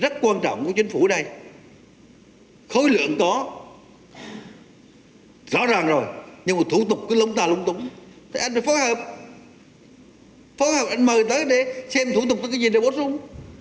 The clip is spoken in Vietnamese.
thì anh phải phó hợp phó hợp anh mời tới để xem thủ tục có cái gì để bổ sung